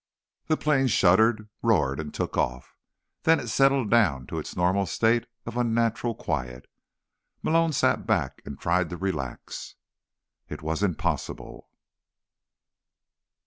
The plane shuddered, roared and took off. Then it settled down to its normal state of unnatural quiet. Malone sat back and tried to relax. It was impossible.